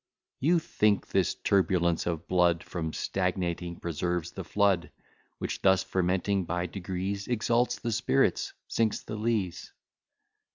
You think this turbulence of blood From stagnating preserves the flood, Which, thus fermenting by degrees, Exalts the spirits, sinks the lees.